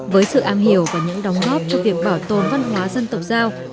với sự am hiểu và những đóng góp cho việc bảo tồn văn hóa dân tộc giao